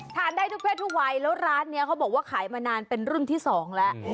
ได้ทุกเพศทุกวัยแล้วร้านนี้เขาบอกว่าขายมานานเป็นรุ่นที่สองแล้ว